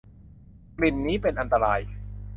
กลิ่นนี้เป็นอันตราย